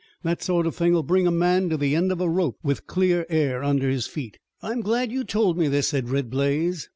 That sort of thing will bring a man to the end of a rope, with clear air under his feet." "I'm glad you've told me this," said Red Blaze.